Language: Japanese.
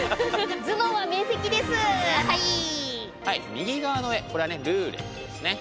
右側の絵これはルーレットですね。